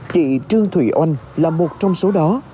chị trương thủy oanh là một trong số đó